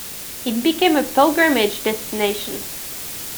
It became a pilgrimage destination.